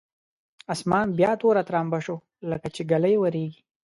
اسمان بیا توره ترامبه شو لکچې ږلۍ اورېږي.